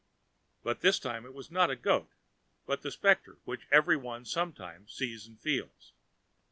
But this time it was not a goat, but the specter, which every one sometimes sees and feels.